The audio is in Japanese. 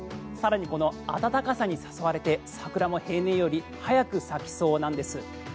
更にこの暖かさに誘われて桜も平年より早く咲きそうなんです。